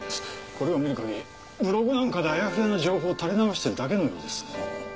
これを見る限りブログなんかであやふやな情報を垂れ流しているだけのようです。